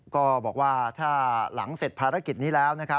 ก็บอกว่าถ้าหลังเสร็จภารกิจนี้แล้ว